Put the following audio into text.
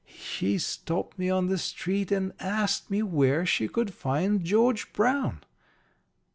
She stopped me on the street and asked me where she could find George Brown.